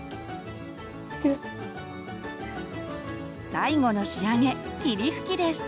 最後の仕上げ霧吹きです。